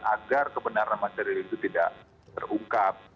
agar kebenaran material itu tidak terungkap